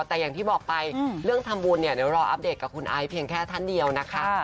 แต่อย่างที่บอกไปเรื่องทำบุญเนี่ยเดี๋ยวรออัปเดตกับคุณไอซ์เพียงแค่ท่านเดียวนะคะ